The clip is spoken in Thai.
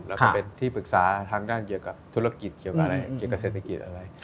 แล้วก็เป็นที่ปรึกษาทางด้านเกี่ยวกับธุรกิจเกี่ยวกับเศรษฐกิจอะไร